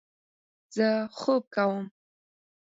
زه خوب کوم